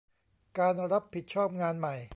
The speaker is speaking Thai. การรับผิดชอบงานใหม่